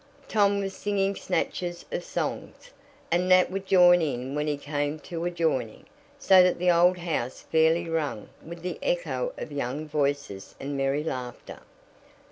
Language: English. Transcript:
Tom was singing snatches of songs, and Nat would join in when he came to a "joining," so that the old house fairly rang with the echo of young voices and merry laughter.